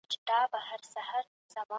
د جناياتو ډولونه جنايت، جنحه او قباحت.